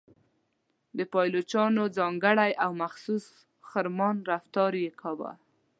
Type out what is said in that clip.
د پایلوچانو ځانګړی او مخصوص خرامان رفتار یې کاوه.